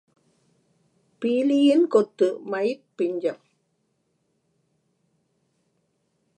பீலியின் கொத்து மயிற் பிஞ்சம்.